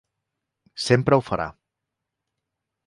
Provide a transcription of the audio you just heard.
Sempre ho farà.